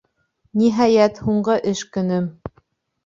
Ниһайәт, һуңғы эш көнөм.